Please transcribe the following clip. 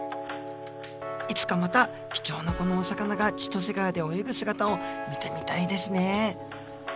いつかまた貴重なこのお魚が千歳川で泳ぐ姿を見てみたいですね